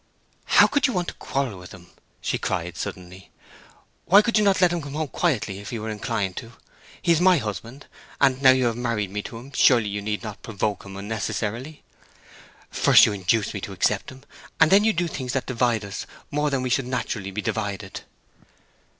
"How could you want to quarrel with him?" she cried, suddenly. "Why could you not let him come home quietly if he were inclined to? He is my husband; and now you have married me to him surely you need not provoke him unnecessarily. First you induce me to accept him, and then you do things that divide us more than we should naturally be divided!"